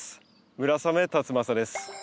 村雨辰剛です。